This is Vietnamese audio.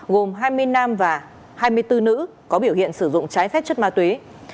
gồm hai mươi nam và hai mươi bốn nữ có biểu hiện sử dụng trái phép chất ma túy